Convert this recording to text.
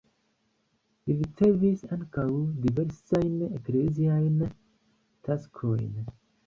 Li ricevis ankaŭ diversajn ekleziajn taskojn.